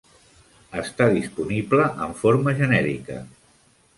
Està disponible en forma genèrica.